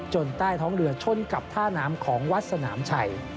ใต้ท้องเรือชนกับท่าน้ำของวัดสนามชัย